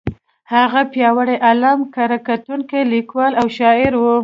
هغه پیاوړی عالم، کره کتونکی، لیکوال او شاعر و.